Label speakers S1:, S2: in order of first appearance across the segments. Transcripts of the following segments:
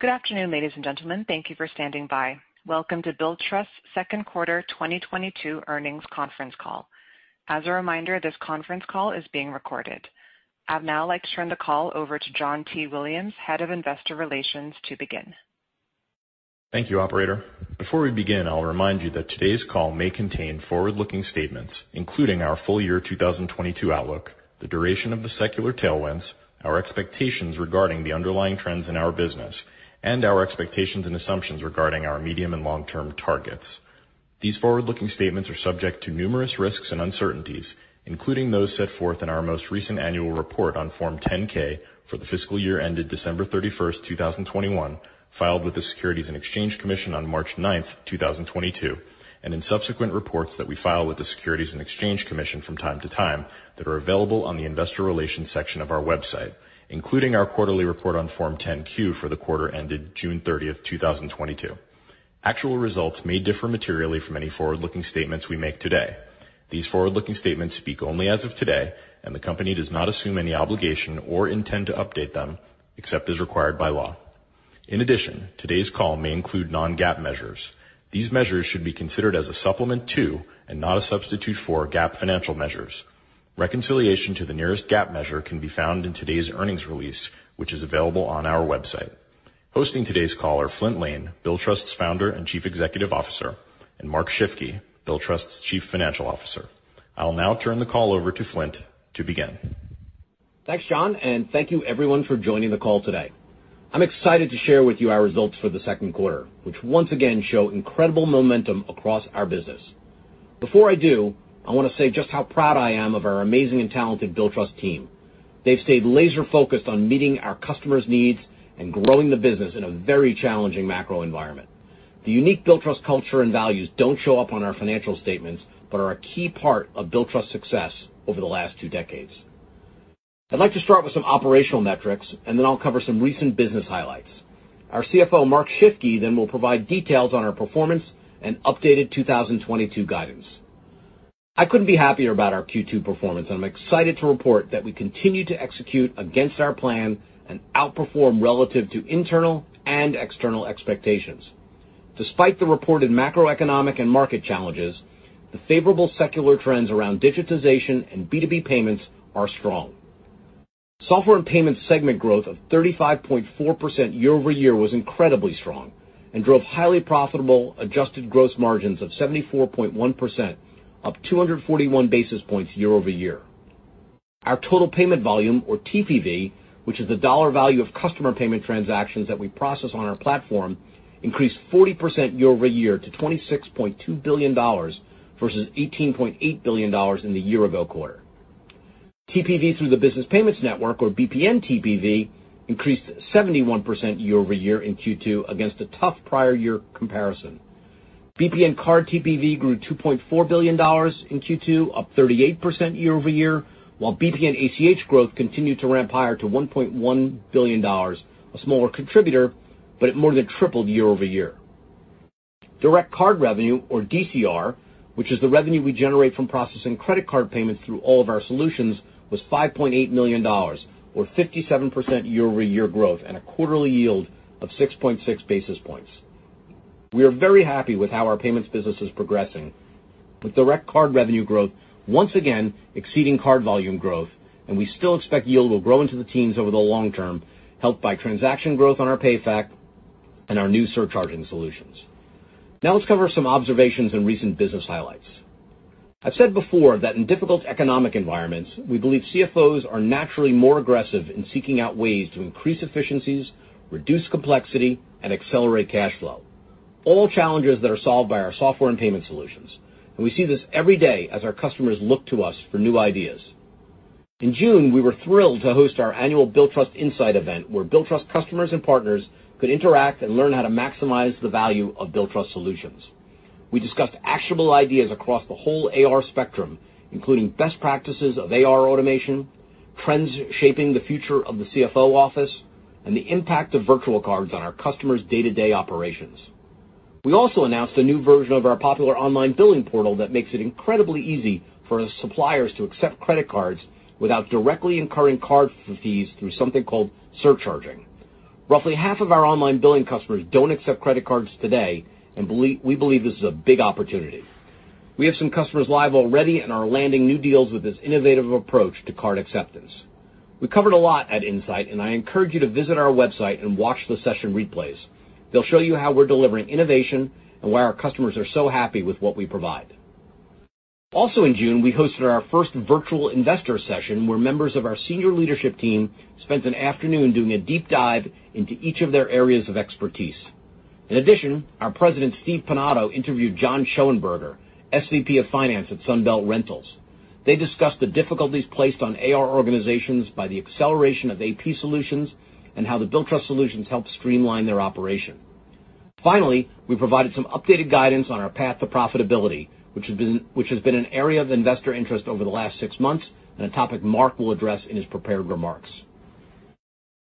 S1: Good afternoon, ladies and gentlemen. Thank you for standing by. Welcome to Billtrust's second quarter 2022 earnings conference call. As a reminder, this conference call is being recorded. I'd now like to turn the call over to John T. Williams, Head of Investor Relations, to begin.
S2: Thank you, operator. Before we begin, I'll remind you that today's call may contain forward-looking statements, including our full year 2022 outlook, the duration of the secular tailwinds, our expectations regarding the underlying trends in our business, and our expectations and assumptions regarding our medium and long-term targets. These forward-looking statements are subject to numerous risks and uncertainties, including those set forth in our most recent annual report on Form 10-K for the fiscal year ended December 31st, 2021, filed with the Securities and Exchange Commission on March 9th, 2022, and in subsequent reports that we file with the Securities and Exchange Commission from time to time that are available on the Investor Relations section of our website, including our quarterly report on Form 10-Q for the quarter ended June 30th, 2022. Actual results may differ materially from any forward-looking statements we make today. These forward-looking statements speak only as of today, and the company does not assume any obligation or intend to update them except as required by law. In addition, today's call may include non-GAAP measures. These measures should be considered as a supplement to, and not a substitute for, GAAP financial measures. Reconciliation to the nearest GAAP measure can be found in today's earnings release, which is available on our website. Hosting today's call are Flint Lane, Billtrust's Founder and Chief Executive Officer, and Mark Shifke, Billtrust's Chief Financial Officer. I'll now turn the call over to Flint to begin.
S3: Thanks, John, and thank you everyone for joining the call today. I'm excited to share with you our results for the second quarter, which once again show incredible momentum across our business. Before I do, I wanna say just how proud I am of our amazing and talented Billtrust team. They've stayed laser-focused on meeting our customers' needs and growing the business in a very challenging macro environment. The unique Billtrust culture and values don't show up on our financial statements, but are a key part of Billtrust's success over the last two decades. I'd like to start with some operational metrics, and then I'll cover some recent business highlights. Our CFO, Mark Shifke, then will provide details on our performance and updated 2022 guidance. I couldn't be happier about our Q2 performance, and I'm excited to report that we continue to execute against our plan and outperform relative to internal and external expectations. Despite the reported macroeconomic and market challenges, the favorable secular trends around digitization and B2B payments are strong. Software and Payments segment growth of 35.4% year-over-year was incredibly strong and drove highly profitable adjusted gross margins of 74.1%, up 241 basis points year-over-year. Our total payment volume, or TPV, which is the dollar value of customer payment transactions that we process on our platform, increased 40% year-over-year to $26.2 billion, versus $18.8 billion in the year ago quarter. TPV through the business payments network, or BPN TPV, increased 71% year-over-year in Q2 against a tough prior year comparison. BPN card TPV grew $2.4 billion in Q2, up 38% year-over-year, while BPN ACH growth continued to ramp higher to $1.1 billion, a smaller contributor, but it more than tripled year-over-year. Direct Card revenue, or DCR, which is the revenue we generate from processing credit card payments through all of our solutions, was $5.8 million or 57% year-over-year growth and a quarterly yield of 6.6 basis points. We are very happy with how our payments business is progressing with Direct Card revenue growth once again exceeding card volume growth, and we still expect yield will grow into the teens over the long term, helped by transaction growth on our PayFac and our new surcharging solutions. Now let's cover some observations and recent business highlights. I've said before that in difficult economic environments, we believe CFOs are naturally more aggressive in seeking out ways to increase efficiencies, reduce complexity, and accelerate cash flow, all challenges that are solved by our Software and Payment solutions. We see this every day as our customers look to us for new ideas. In June, we were thrilled to host our annual Billtrust Insight event, where Billtrust customers and partners could interact and learn how to maximize the value of Billtrust solutions. We discussed actionable ideas across the whole AR spectrum, including best practices of AR automation, trends shaping the future of the CFO office, and the impact of virtual cards on our customers' day-to-day operations. We also announced a new version of our popular Online Billing portal that makes it incredibly easy for suppliers to accept credit cards without directly incurring card fees through something called surcharging. Roughly half of our Online Billing portal customers don't accept credit cards today, and we believe this is a big opportunity. We have some customers live already and are landing new deals with this innovative approach to card acceptance. We covered a lot at Insight, and I encourage you to visit our website and watch the session replays. They'll show you how we're delivering innovation and why our customers are so happy with what we provide. Also in June, we hosted our first virtual investor session, where members of our senior leadership team spent an afternoon doing a deep dive into each of their areas of expertise. In addition, our president, Steve Pinado, interviewed John Schoenberger, SVP of Finance at Sunbelt Rentals. They discussed the difficulties placed on AR organizations by the acceleration of AP solutions and how the Billtrust solutions help streamline their operation. Finally, we provided some updated guidance on our path to profitability, which has been an area of investor interest over the last six months and a topic Mark will address in his prepared remarks.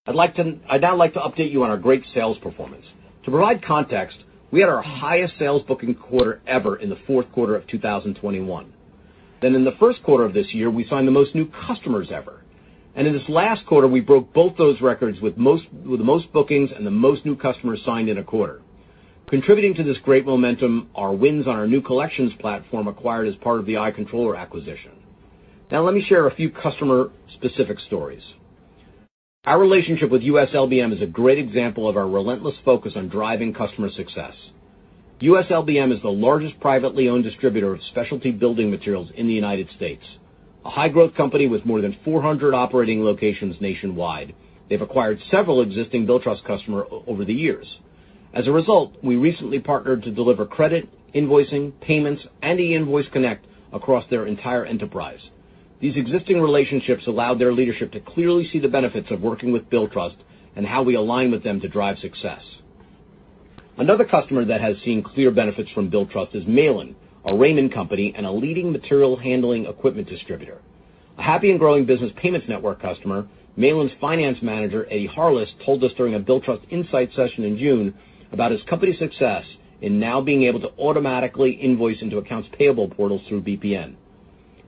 S3: I'd now like to update you on our great sales performance. To provide context, we had our highest sales booking quarter ever in the fourth quarter of 2021. In the first quarter of this year, we signed the most new customers ever. In this last quarter, we broke both those records with the most bookings and the most new customers signed in a quarter. Contributing to this great momentum are wins on our new collections platform acquired as part of the iController acquisition. Now, let me share a few customer-specific stories. Our relationship with US LBM is a great example of our relentless focus on driving customer success. US LBM is the largest privately owned distributor of specialty building materials in the United States. A high-growth company with more than 400 operating locations nationwide. They've acquired several existing Billtrust customers over the years. As a result, we recently partnered to deliver credit, invoicing, payments, and eInvoice Connect across their entire enterprise. These existing relationships allowed their leadership to clearly see the benefits of working with Billtrust and how we align with them to drive success. Another customer that has seen clear benefits from Billtrust is Malin, a Raymond company, and a leading material handling equipment distributor. A happy and growing business payments network customer, Malin's finance manager, Eddie Harless, told us during a Billtrust Insight session in June about his company's success in now being able to automatically invoice into accounts payable portals through BPN.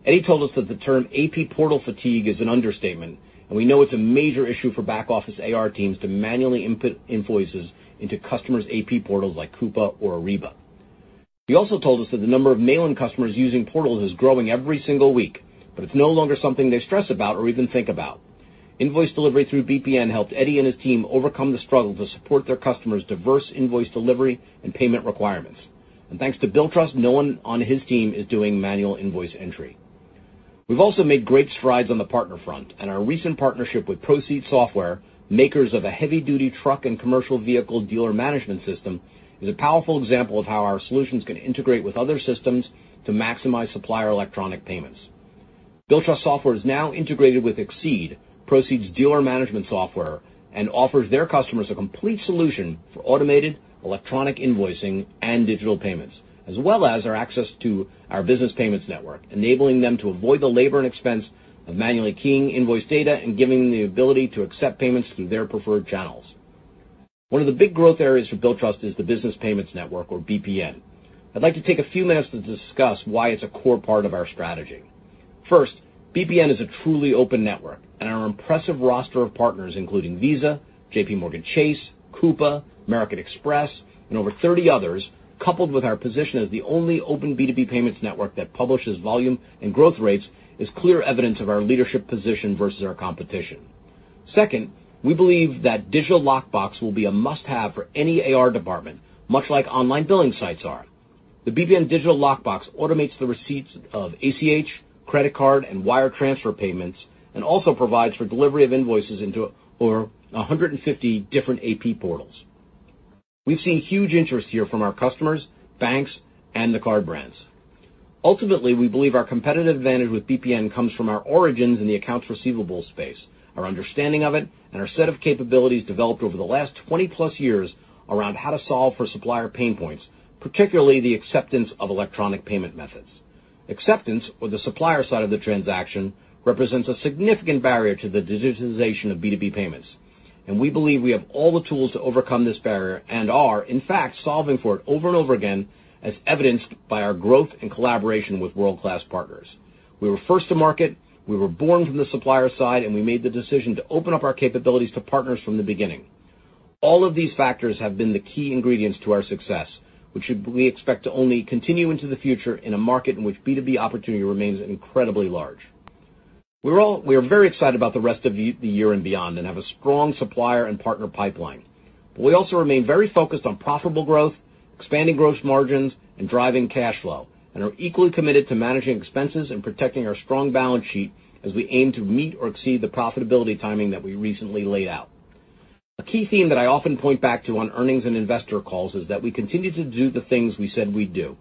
S3: Eddie told us that the term AP portal fatigue is an understatement, and we know it's a major issue for back office AR teams to manually input invoices into customers' AP portals like Coupa or Ariba. He also told us that the number of Malin customers using portals is growing every single week, but it's no longer something they stress about or even think about. Invoice delivery through BPN helped Eddie and his team overcome the struggle to support their customers' diverse invoice delivery and payment requirements. Thanks to Billtrust, no one on his team is doing manual invoice entry. We've also made great strides on the partner front, and our recent partnership with Procede software, makers of a heavy-duty truck and commercial vehicle dealer management system, is a powerful example of how our solutions can integrate with other systems to maximize supplier electronic payments. Billtrust software is now integrated with Excede, Procede's dealer management software, and offers their customers a complete solution for automated electronic invoicing and digital payments, as well as access to our Business Payments Network, enabling them to avoid the labor and expense of manually keying invoice data and giving them the ability to accept payments through their preferred channels. One of the big growth areas for Billtrust is the Business Payments Network or BPN. I'd like to take a few minutes to discuss why it's a core part of our strategy. First, BPN is a truly open network, and our impressive roster of partners, including Visa, JPMorgan Chase, Coupa, American Express, and over 30 others, coupled with our position as the only open B2B payments network that publishes volume and growth rates, is clear evidence of our leadership position versus our competition. Second, we believe that Digital Lockbox will be a must-have for any AR department, much like online billing sites are. The BPN Digital Lockbox automates the receipts of ACH, credit card, and wire transfer payments, and also provides for delivery of invoices into over 150 different AP portals. We've seen huge interest here from our customers, banks, and the card brands. Ultimately, we believe our competitive advantage with BPN comes from our origins in the accounts receivable space, our understanding of it, and our set of capabilities developed over the last 20+ years around how to solve for supplier pain points, particularly the acceptance of electronic payment methods. Acceptance or the supplier side of the transaction, represents a significant barrier to the digitization of B2B payments. We believe we have all the tools to overcome this barrier and are, in fact, solving for it over and over again, as evidenced by our growth and collaboration with world-class partners. We were first to market, we were born from the supplier side, and we made the decision to open up our capabilities to partners from the beginning. All of these factors have been the key ingredients to our success, which we expect to only continue into the future in a market in which B2B opportunity remains incredibly large. We are very excited about the rest of the year and beyond and have a strong supplier and partner pipeline. We also remain very focused on profitable growth, expanding gross margins, and driving cash flow, and are equally committed to managing expenses and protecting our strong balance sheet as we aim to meet or exceed the profitability timing that we recently laid out. A key theme that I often point back to on earnings and investor calls is that we continue to do the things we said we'd do.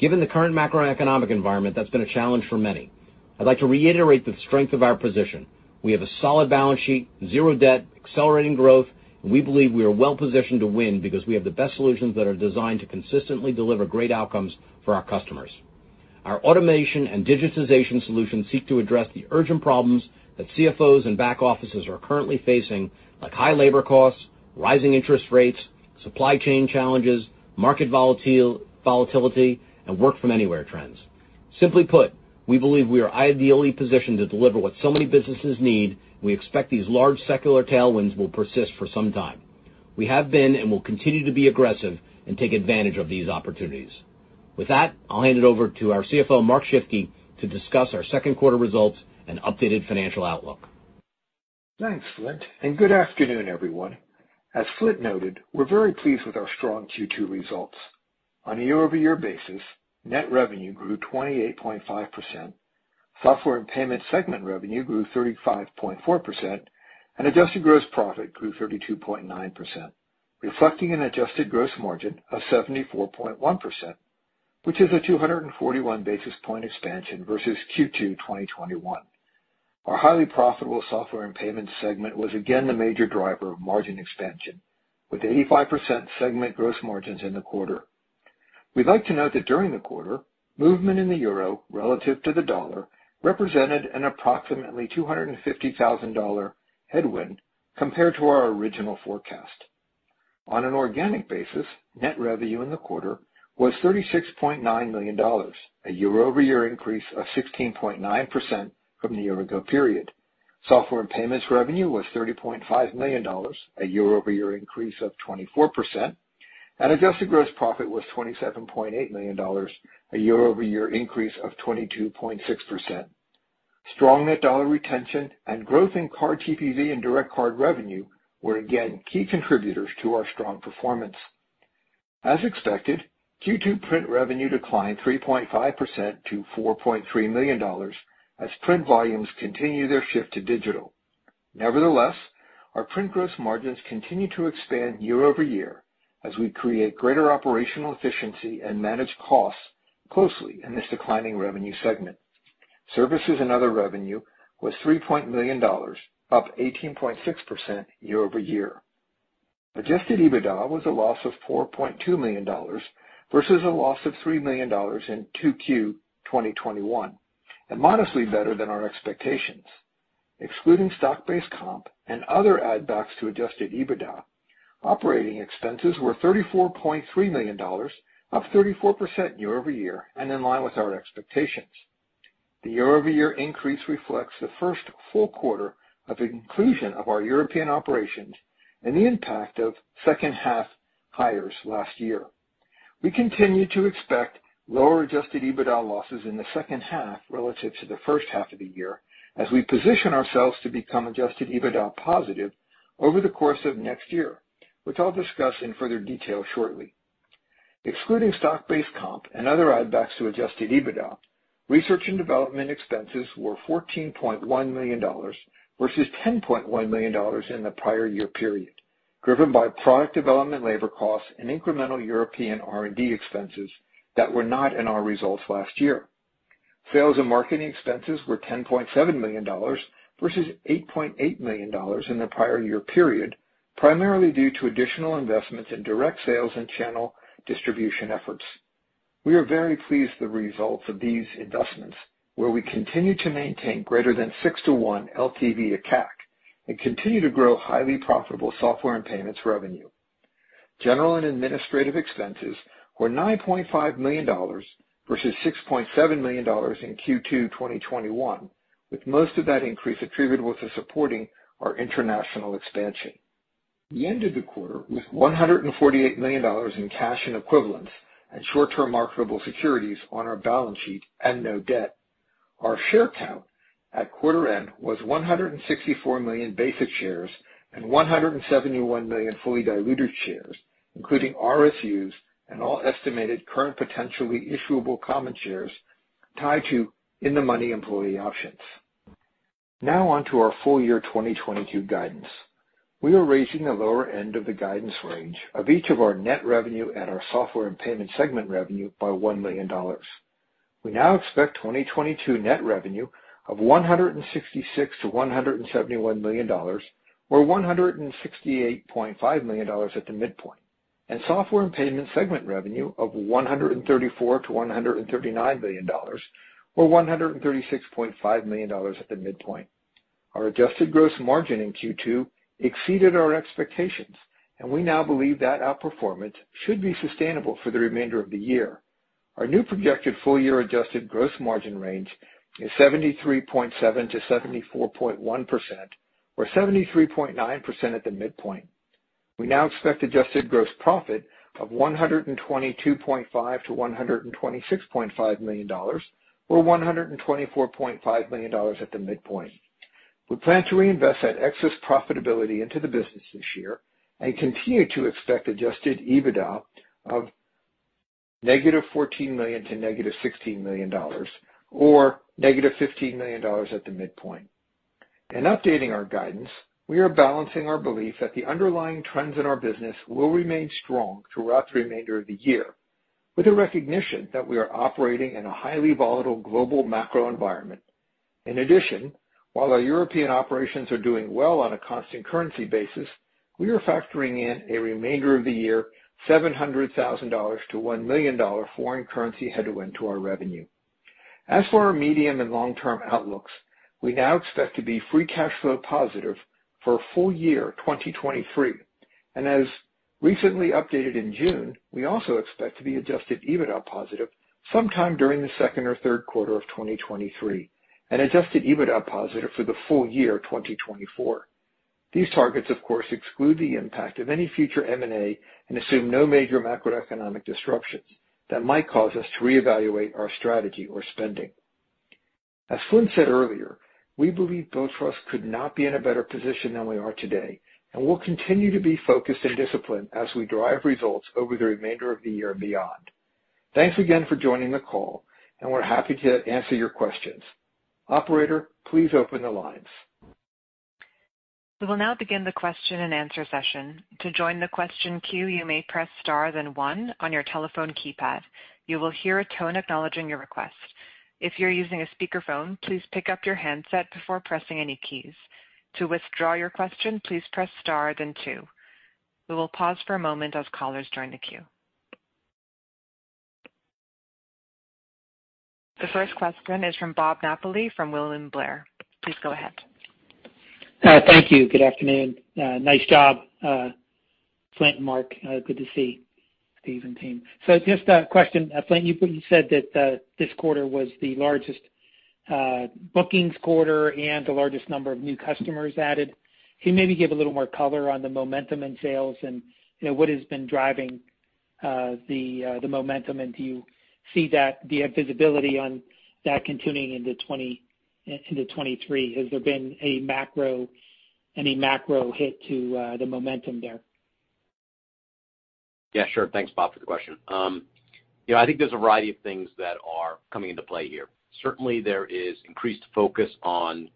S3: Given the current macroeconomic environment, that's been a challenge for many. I'd like to reiterate the strength of our position. We have a solid balance sheet, zero debt, accelerating growth, and we believe we are well-positioned to win because we have the best solutions that are designed to consistently deliver great outcomes for our customers. Our automation and digitization solutions seek to address the urgent problems that CFOs and back offices are currently facing, like high labor costs, rising interest rates, supply chain challenges, market volatility, and work from anywhere trends. Simply put, we believe we are ideally positioned to deliver what so many businesses need. We expect these large secular tailwinds will persist for some time. We have been and will continue to be aggressive and take advantage of these opportunities. With that, I'll hand it over to our CFO, Mark Shifke, to discuss our second quarter results and updated financial outlook.
S4: Thanks, Flint, and good afternoon, everyone. As Flint noted, we're very pleased with our strong Q2 results. On a year-over-year basis, net revenue grew 28.5%, Software and Payment segment revenue grew 35.4%, and adjusted gross profit grew 32.9%, reflecting an adjusted gross margin of 74.1%, which is a 241 basis point expansion versus Q2 2021. Our highly profitable Software and Payment segment was again the major driver of margin expansion, with 85% segment gross margins in the quarter. We'd like to note that during the quarter, movement in the euro relative to the dollar represented an approximately $250,000 dollar headwind compared to our original forecast. On an organic basis, net revenue in the quarter was $36.9 million, a year-over-year increase of 16.9% from the year ago period. Software and Payments revenue was $30.5 million, a year-over-year increase of 24%, and adjusted gross profit was $27.8 million, a year-over-year increase of 22.6%. Strong net dollar retention and growth in card TPV and Direct Card revenue were again key contributors to our strong performance. As expected, Q2 print revenue declined 3.5% to $4.3 million as print volumes continue their shift to digital. Nevertheless, our print gross margins continue to expand year-over-year as we create greater operational efficiency and manage costs closely in this declining revenue segment. Services and other revenue was $3 million, up 18.6% year-over-year. Adjusted EBITDA was a loss of $4.2 million versus a loss of $3 million in Q2 2021, and modestly better than our expectations. Excluding stock-based comp and other add backs to adjusted EBITDA, operating expenses were $34.3 million, up 34% year-over-year and in line with our expectations. The year-over-year increase reflects the first full quarter of the inclusion of our European operations and the impact of second half hires last year. We continue to expect lower Adjusted EBITDA losses in the second half relative to the first half of the year as we position ourselves to become Adjusted EBITDA positive over the course of next year, which I'll discuss in further detail shortly. Excluding stock-based comp and other add backs to Adjusted EBITDA, research and development expenses were $14.1 million versus $10.1 million in the prior year period, driven by product development labor costs and incremental European R&D expenses that were not in our results last year. Sales and marketing expenses were $10.7 million versus $8.8 million in the prior year period, primarily due to additional investments in direct sales and channel distribution efforts. We are very pleased with the results of these investments, where we continue to maintain greater than 6:1 LTV to CAC and continue to grow highly profitable Software and Payments revenue. General and administrative expenses were $9.5 million versus $6.7 million in Q2 2021, with most of that increase attributable to supporting our international expansion. We ended the quarter with $148 million in cash and equivalents and short-term marketable securities on our balance sheet and no debt. Our share count at quarter end was 164 million basic shares and 171 million fully diluted shares, including RSUs and all estimated current potentially issuable common shares tied to in-the-money employee options. Now on to our full year 2022 guidance. We are raising the lower end of the guidance range of each of our net revenue at our Software and Payment segment revenue by $1 million. We now expect 2022 net revenue of $166 million-$171 million, or $168.5 million at the midpoint, and Software and Payment segment revenue of $134 million-$139 million, or $136.5 million at the midpoint. Our adjusted gross margin in Q2 exceeded our expectations, and we now believe that outperformance should be sustainable for the remainder of the year. Our new projected full year adjusted gross margin range is 73.7%-74.1%, or 73.9% at the midpoint. We now expect Adjusted gross profit of $122.5 million-$126.5 million or $124.5 million at the midpoint. We plan to reinvest that excess profitability into the business this year and continue to expect Adjusted EBITDA of -$14 million to -$16 million or -$15 million at the midpoint. In updating our guidance, we are balancing our belief that the underlying trends in our business will remain strong throughout the remainder of the year with the recognition that we are operating in a highly volatile global macro environment. In addition, while our European operations are doing well on a constant currency basis, we are factoring in a remainder of the year $700,000-$1 million foreign currency headwind to our revenue. As for our medium and long-term outlooks, we now expect to be free cash flow positive for full year 2023, and as recently updated in June, we also expect to be Adjusted EBITDA positive sometime during the second or third quarter of 2023, and Adjusted EBITDA positive for the full year 2024. These targets, of course, exclude the impact of any future M&A and assume no major macroeconomic disruptions that might cause us to reevaluate our strategy or spending. As Flint said earlier, we believe Billtrust could not be in a better position than we are today, and we'll continue to be focused and disciplined as we drive results over the remainder of the year and beyond. Thanks again for joining the call, and we're happy to answer your questions. Operator, please open the lines.
S1: We will now begin the question and answer session. To join the question queue, you may press star then one on your telephone keypad. You will hear a tone acknowledging your request. If you're using a speakerphone, please pick up your handset before pressing any keys. To withdraw your question, please press star then two. We will pause for a moment as callers join the queue. The first question is from Bob Napoli from William Blair. Please go ahead.
S5: Thank you. Good afternoon. Nice job, Flint and Mark. Good to see Steve and team. Just a question. Flint, you said that this quarter was the largest bookings quarter and the largest number of new customers added. Can you maybe give a little more color on the momentum in sales and, you know, what has been driving the momentum? And do you see that, the visibility on that continuing into 2023? Has there been any macro hit to the momentum there?
S3: Yeah, sure. Thanks, Bob, for the question. You know, I think there's a variety of things that are coming into play here. Certainly, there is increased focus on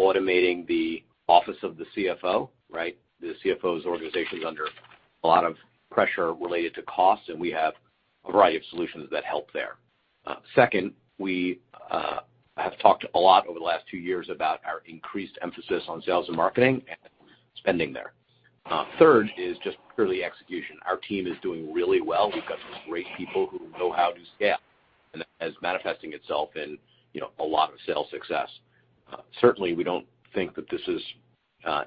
S3: automating the office of the CFO, right? The CFO's organization is under a lot of pressure related to cost, and we have a variety of solutions that help there. Second, we have talked a lot over the last two years about our increased emphasis on sales and marketing and spending there. Third is just purely execution. Our team is doing really well. We've got some great people who know how to scale, and that is manifesting itself in, you know, a lot of sales success. Certainly, we don't think that this is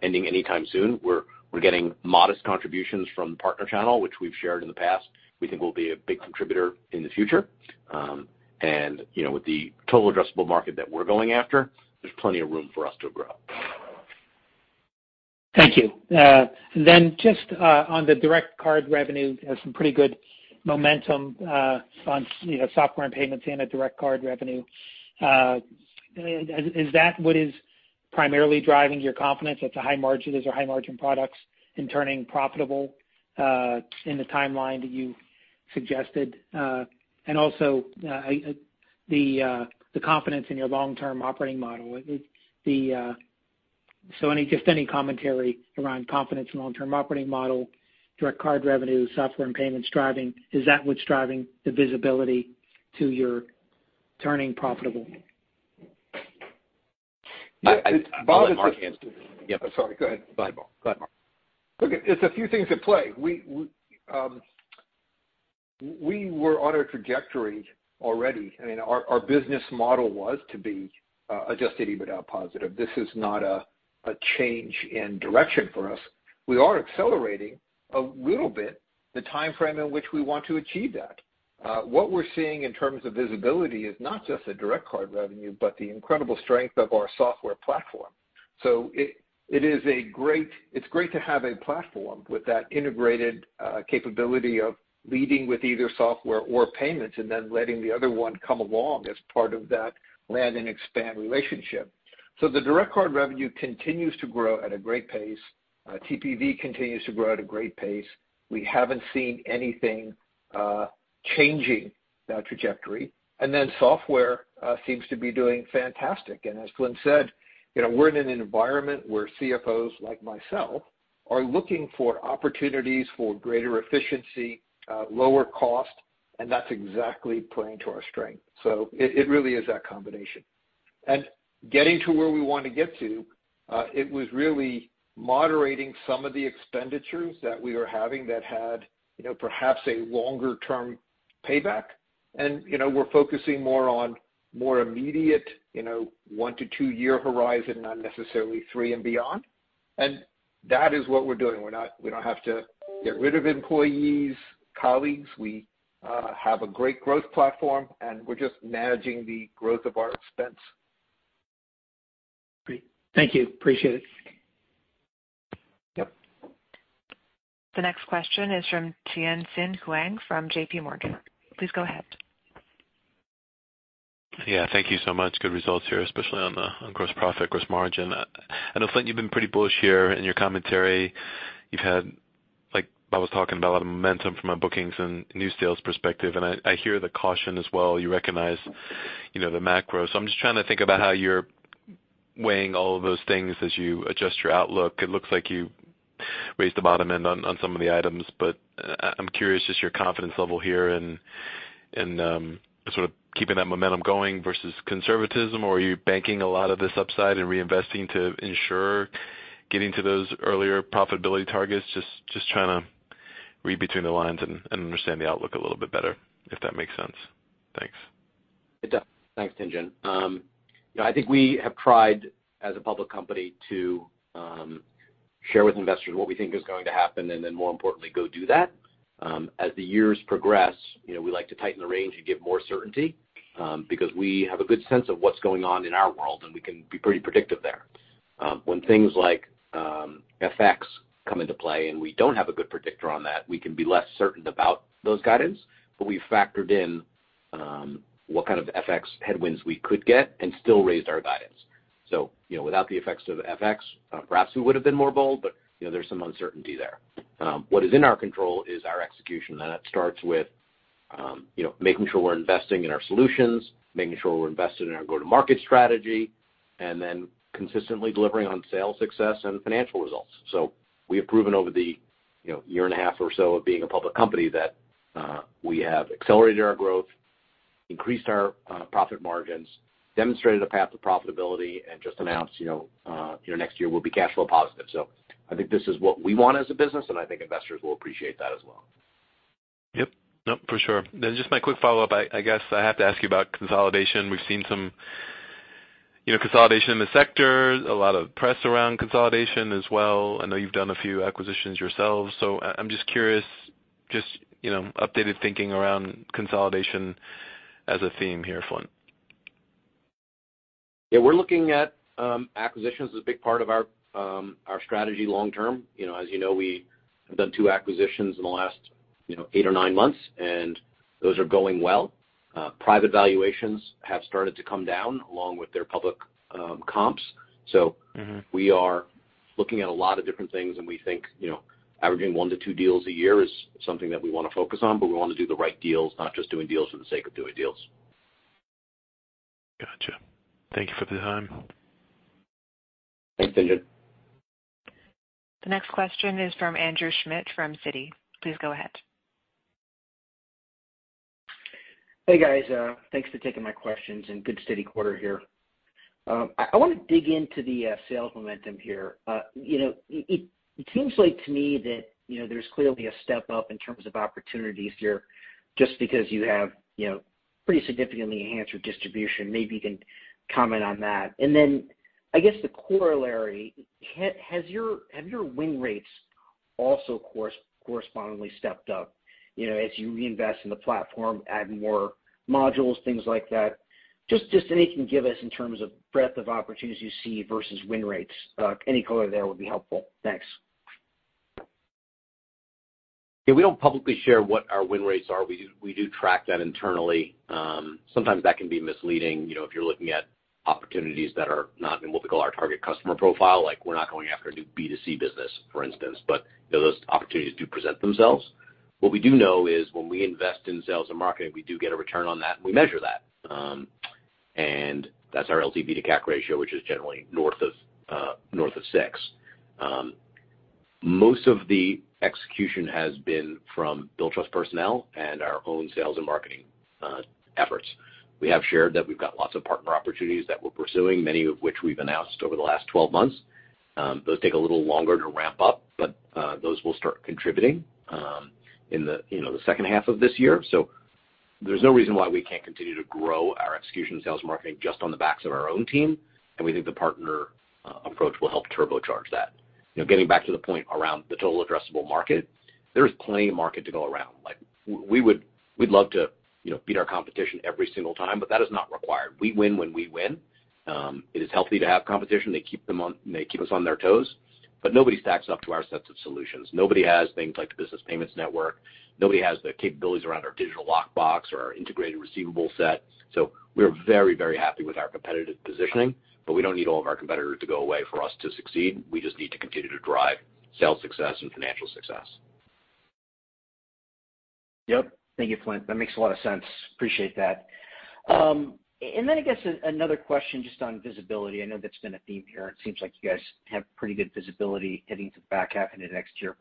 S3: ending anytime soon. We're getting modest contributions from partner channel, which we've shared in the past, we think will be a big contributor in the future. You know, with the total addressable market that we're going after, there's plenty of room for us to grow.
S5: Thank you. Then just on the Direct Card revenue, you have some pretty good momentum on, you know, Software and Payments and at Direct Card revenue. Is that what is primarily driving your confidence that the high margin, those are high margin products in turning profitable in the timeline that you suggested? Also, the confidence in your long-term operating model. Any, just any commentary around confidence in long-term operating model, Direct Card revenue, Software and Payments driving. Is that what's driving the visibility to your turning profitable?
S3: I'll let Mark answer that.
S4: Yeah. Sorry, go ahead.
S3: Go ahead, Mark.
S4: Look, it's a few things at play. We were on a trajectory already. I mean, our business model was to be Adjusted EBITDA positive. This is not a change in direction for us. We are accelerating a little bit the timeframe in which we want to achieve that. What we're seeing in terms of visibility is not just the Direct Card revenue, but the incredible strength of our software platform. It is great to have a platform with that integrated capability of leading with either Software or Payments and then letting the other one come along as part of that land and expand relationship. The Direct Card revenue continues to grow at a great pace. TPV continues to grow at a great pace. We haven't seen anything changing that trajectory. Software seems to be doing fantastic. As Flint said, you know, we're in an environment where CFOs like myself are looking for opportunities for greater efficiency, lower cost, and that's exactly playing to our strength. It really is that combination. Getting to where we want to get to, it was really moderating some of the expenditures that we were having that had, you know, perhaps a longer-term payback. You know, we're focusing more on immediate, you know, one- to two-year horizon, not necessarily three and beyond. That is what we're doing. We don't have to get rid of employees, colleagues. We have a great growth platform, and we're just managing the growth of our expense.
S5: Great. Thank you. Appreciate it.
S4: Yep.
S1: The next question is from Tien-Tsin Huang from JPMorgan. Please go ahead.
S6: Yeah. Thank you so much. Good results here, especially on gross profit, gross margin. I know, Flint, you've been pretty bullish here in your commentary. You've had, like Bob was talking about, a lot of momentum from a bookings and new sales perspective, and I hear the caution as well. You recognize, you know, the macro. I'm just trying to think about how you're weighing all of those things as you adjust your outlook. It looks like you raised the bottom end on some of the items, but I'm curious just your confidence level here in sort of keeping that momentum going versus conservatism, or are you banking a lot of this upside and reinvesting to ensure getting to those earlier profitability targets? Just trying to read between the lines and understand the outlook a little bit better, if that makes sense. Thanks.
S3: It does. Thanks, Tien-Tsin. You know, I think we have tried as a public company to share with investors what we think is going to happen, and then more importantly, go do that. As the years progress, you know, we like to tighten the range and give more certainty, because we have a good sense of what's going on in our world, and we can be pretty predictive there. When things like FX come into play and we don't have a good predictor on that, we can be less certain about those guidance. We factored in what kind of FX headwinds we could get and still raised our guidance. You know, without the effects of FX, perhaps we would have been more bold, but, you know, there's some uncertainty there. What is in our control is our execution, and that starts with you know, making sure we're investing in our solutions, making sure we're invested in our go-to-market strategy, and then consistently delivering on sales success and financial results. We have proven over the you know, year and a half or so of being a public company that we have accelerated our growth, increased our profit margins, demonstrated a path to profitability, and just announced you know, next year we'll be cash flow positive. I think this is what we want as a business, and I think investors will appreciate that as well.
S6: Yep. Nope, for sure. Just my quick follow-up, I guess I have to ask you about consolidation. We've seen some, you know, consolidation in the sector, a lot of press around consolidation as well. I know you've done a few acquisitions yourselves. I'm just curious, just, you know, updated thinking around consolidation as a theme here, Flint.
S3: Yeah, we're looking at acquisitions as a big part of our strategy long term. You know, as you know, we have done two acquisitions in the last, you know, eight or nine months, and those are going well. Private valuations have started to come down along with their public comps.
S4: Mm-hmm.
S3: We are looking at a lot of different things, and we think, you know, averaging one to two deals a year is something that we wanna focus on, but we wanna do the right deals, not just doing deals for the sake of doing deals.
S6: Gotcha. Thank you for the time.
S3: Thanks, Tien-Tsin.
S1: The next question is from Andrew Schmidt from Citi. Please go ahead.
S7: Hey, guys. Thanks for taking my questions and good, steady quarter here. I wanna dig into the sales momentum here. You know, it seems like to me that, you know, there's clearly a step up in terms of opportunities here just because you have, you know, pretty significantly enhanced your distribution. Maybe you can comment on that. Then I guess the corollary, have your win rates also correspondingly stepped up, you know, as you reinvest in the platform, add more modules, things like that? Just anything you can give us in terms of breadth of opportunities you see versus win rates. Any color there would be helpful. Thanks.
S3: Yeah, we don't publicly share what our win rates are. We do track that internally. Sometimes that can be misleading, you know, if you're looking at opportunities that are not in what we call our target customer profile, like we're not going after a new B2C business, for instance. You know, those opportunities do present themselves. What we do know is when we invest in sales and marketing, we do get a return on that, and we measure that. And that's our LTV to CAC ratio, which is generally north of 6:1. Most of the execution has been from Billtrust personnel and our own sales and marketing efforts. We have shared that we've got lots of partner opportunities that we're pursuing, many of which we've announced over the last 12 months. Those take a little longer to ramp up, but those will start contributing in the, you know, the second half of this year. There's no reason why we can't continue to grow our execution sales marketing just on the backs of our own team, and we think the partner approach will help turbocharge that. You know, getting back to the point around the total addressable market, there's plenty of market to go around. Like, we'd love to, you know, beat our competition every single time, but that is not required. We win when we win. It is healthy to have competition. They keep us on their toes, but nobody stacks up to our sets of solutions. Nobody has things like the Business Payments Network. Nobody has the capabilities around our Digital Lockbox or our integrated receivables set. We're very, very happy with our competitive positioning, but we don't need all of our competitors to go away for us to succeed. We just need to continue to drive sales success and financial success.
S7: Yep. Thank you, Flint. That makes a lot of sense. Appreciate that. I guess another question just on visibility. I know that's been a theme here, and it seems like you guys have pretty good visibility heading to the back half into next year.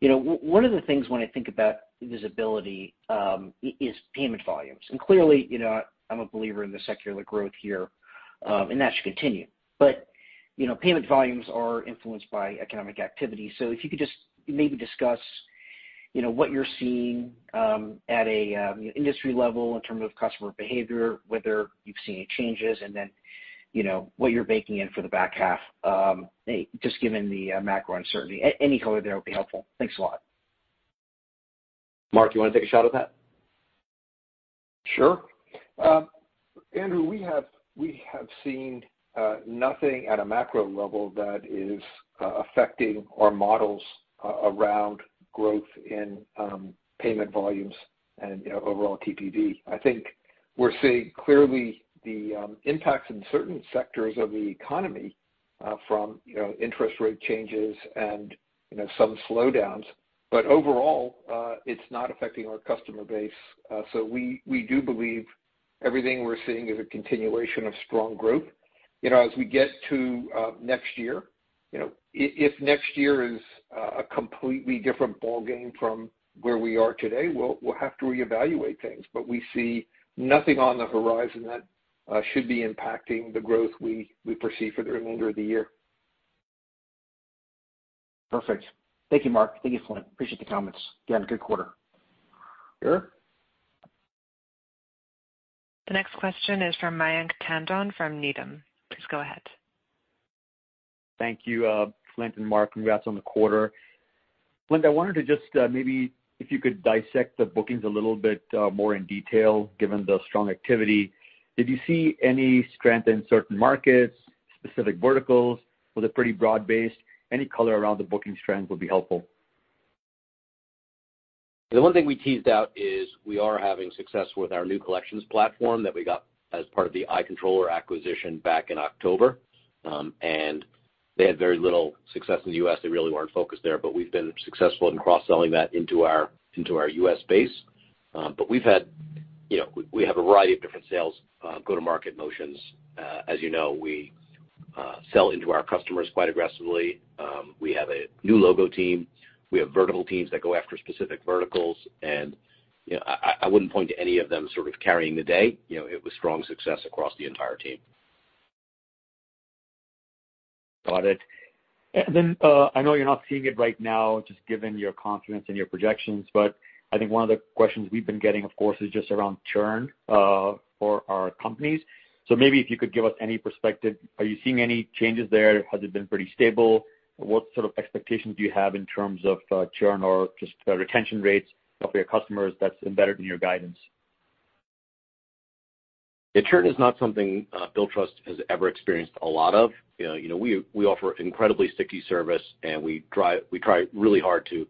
S7: You know, one of the things when I think about visibility is payment volumes. Clearly, you know, I'm a believer in the secular growth here, and that should continue. You know, payment volumes are influenced by economic activity. If you could just maybe discuss, you know, what you're seeing at an industry level in terms of customer behavior, whether you've seen any changes, and then, you know, what you're baking in for the back half just given the macro uncertainty. Any color there would be helpful. Thanks a lot.
S3: Mark, you wanna take a shot at that?
S4: Sure. Andrew, we have seen nothing at a macro level that is affecting our models around growth in payment volumes and, you know, overall TPV. I think we're seeing clearly the impacts in certain sectors of the economy from, you know, interest rate changes and, you know, some slowdowns. Overall, it's not affecting our customer base. We do believe everything we're seeing is a continuation of strong growth. You know, as we get to next year, you know, if next year is a completely different ballgame from where we are today, we'll have to reevaluate things. We see nothing on the horizon that should be impacting the growth we foresee for the remainder of the year.
S7: Perfect. Thank you, Mark. Thank you, Flint. Appreciate the comments. You have a good quarter.
S4: Sure.
S1: The next question is from Mayank Tandon from Needham. Please go ahead.
S8: Thank you, Flint and Mark. Congrats on the quarter. Flint, I wanted to just, maybe if you could dissect the bookings a little bit, more in detail given the strong activity. Did you see any strength in certain markets, specific verticals? Was it pretty broad-based? Any color around the booking strength would be helpful.
S3: The one thing we teased out is we are having success with our new collections platform that we got as part of the iController acquisition back in October. They had very little success in the U.S. They really weren't focused there, but we've been successful in cross-selling that into our U.S. base. We've had, you know, we have a variety of different sales go-to-market motions. As you know, we sell into our customers quite aggressively. We have a new logo team. We have vertical teams that go after specific verticals. You know, I wouldn't point to any of them sort of carrying the day. You know, it was strong success across the entire team.
S8: Got it. I know you're not seeing it right now, just given your confidence in your projections, but I think one of the questions we've been getting, of course, is just around churn for our companies. Maybe if you could give us any perspective. Are you seeing any changes there? Has it been pretty stable? What sort of expectations do you have in terms of churn or just retention rates of your customers that's embedded in your guidance?
S3: Yeah. Churn is not something, Billtrust has ever experienced a lot of. You know, we offer incredibly sticky service, and we try really hard to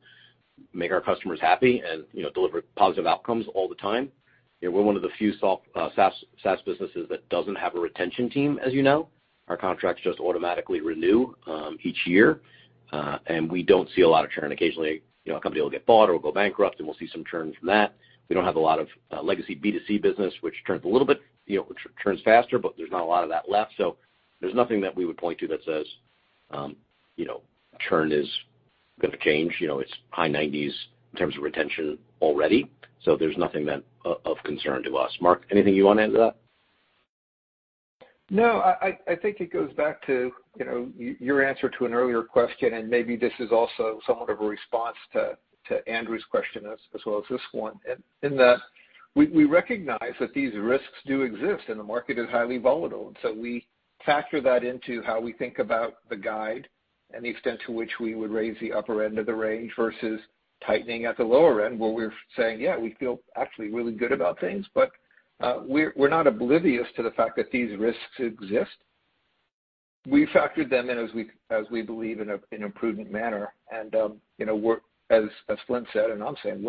S3: make our customers happy and, you know, deliver positive outcomes all the time. You know, we're one of the few SaaS businesses that doesn't have a retention team, as you know. Our contracts just automatically renew, each year, and we don't see a lot of churn. Occasionally, you know, a company will get bought or go bankrupt, and we'll see some churn from that. We don't have a lot of, legacy B2C business, which churns a little bit, you know, which churns faster, but there's not a lot of that left. There's nothing that we would point to that says, you know, churn is gonna change. You know, it's high 90s% in terms of retention already, so there's nothing of concern to us. Mark, anything you wanna add to that?
S4: No, I think it goes back to, you know, your answer to an earlier question, and maybe this is also somewhat of a response to Andrew's question as well as this one in that we recognize that these risks do exist and the market is highly volatile. We factor that into how we think about the guide and the extent to which we would raise the upper end of the range versus tightening at the lower end, where we're saying, "Yeah, we feel actually really good about things." We're not oblivious to the fact that these risks exist. We factored them in as we believe in a prudent manner. You know, as Flint said, and I'm saying,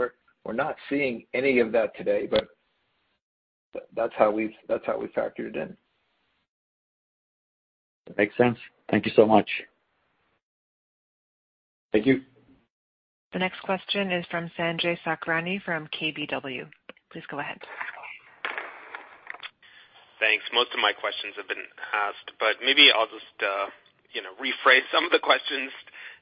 S4: we're not seeing any of that today, but that's how we factor it in.
S8: Makes sense. Thank you so much.
S3: Thank you.
S1: The next question is from Sanjay Sakhrani from KBW. Please go ahead.
S9: Thanks. Most of my questions have been asked, but maybe I'll just, you know, rephrase some of the questions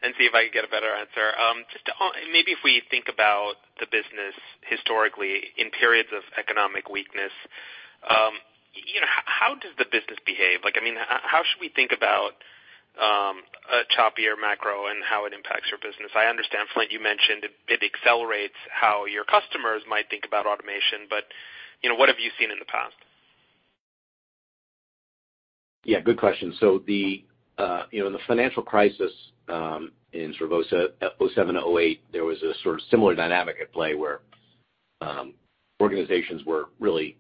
S9: and see if I can get a better answer. Just on maybe if we think about the business historically in periods of economic weakness, you know, how does the business behave? Like, I mean, how should we think about a choppier macro and how it impacts your business? I understand, Flint, you mentioned it accelerates how your customers might think about automation, but, you know, what have you seen in the past?
S3: Yeah, good question. In the financial crisis in sort of 2007-2008, there was a sort of similar dynamic at play, where organizations were really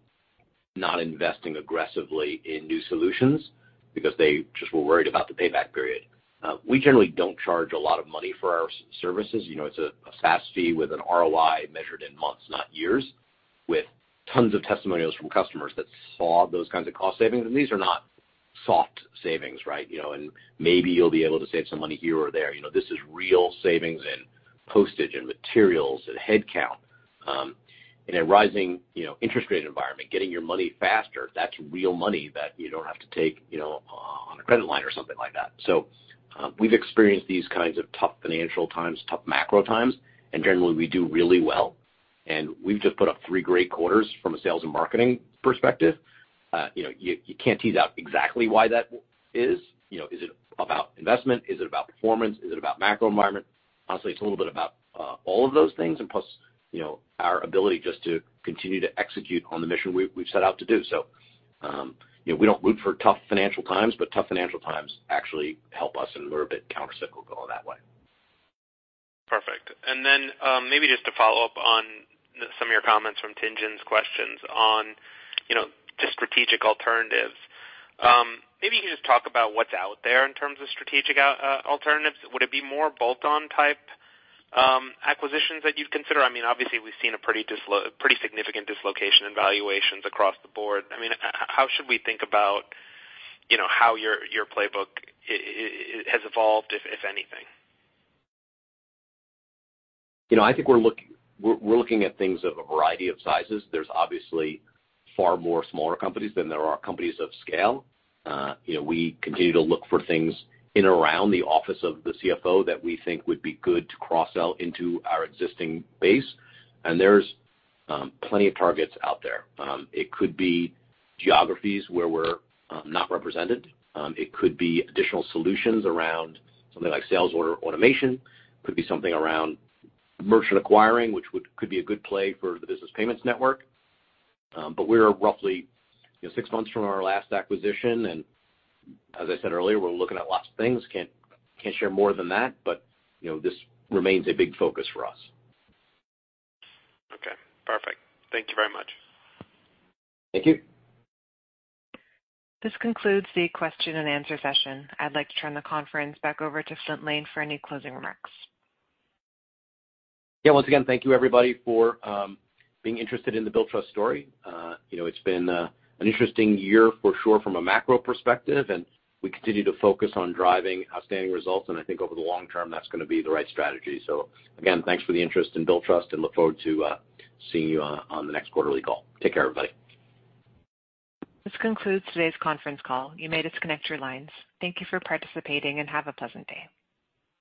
S3: not investing aggressively in new solutions because they just were worried about the payback period. We generally don't charge a lot of money for our services. You know, it's a SaaS fee with an ROI measured in months, not years, with tons of testimonials from customers that saw those kinds of cost savings. These are not soft savings, right? You know, maybe you'll be able to save some money here or there. You know, this is real savings in postage and materials and headcount. In a rising, you know, interest rate environment, getting your money faster, that's real money that you don't have to take, you know, on a credit line or something like that. We've experienced these kinds of tough financial times, tough macro times, and generally, we do really well. We've just put up three great quarters from a sales and marketing perspective. You know, you can't tease out exactly why that is. You know, is it about investment? Is it about performance? Is it about macro environment? Honestly, it's a little bit about all of those things and plus, you know, our ability just to continue to execute on the mission we've set out to do. You know, we don't root for tough financial times, but tough financial times actually help us, and we're a bit countercyclical in that way.
S9: Perfect. Maybe just to follow up on some of your comments from Tien-Tsin's questions on, you know, just strategic alternatives. Maybe you can just talk about what's out there in terms of strategic alternatives. Would it be more bolt-on type acquisitions that you'd consider? I mean, obviously we've seen a pretty significant dislocation in valuations across the board. I mean, how should we think about, you know, how your playbook has evolved, if anything?
S3: You know, I think we're looking at things of a variety of sizes. There's obviously far more smaller companies than there are companies of scale. You know, we continue to look for things in and around the office of the CFO that we think would be good to cross-sell into our existing base, and there's plenty of targets out there. It could be geographies where we're not represented. It could be additional solutions around something like sales order automation. Could be something around merchant acquiring, which could be a good play for the Business Payments Network. We're roughly six months from our last acquisition, and as I said earlier, we're looking at lots of things. Can't share more than that, you know, this remains a big focus for us.
S9: Okay, perfect. Thank you very much.
S3: Thank you.
S1: This concludes the question and answer session. I'd like to turn the conference back over to Flint Lane for any closing remarks.
S3: Yeah. Once again, thank you everybody for being interested in the Billtrust story. You know, it's been an interesting year for sure from a macro perspective, and we continue to focus on driving outstanding results, and I think over the long term, that's gonna be the right strategy. Again, thanks for the interest in Billtrust and look forward to seeing you on the next quarterly call. Take care, everybody.
S1: This concludes today's conference call. You may disconnect your lines. Thank you for participating and have a pleasant day.